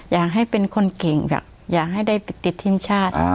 อยากให้เป็นคนเก่งแบบอยากให้ได้ติดทีมชาติ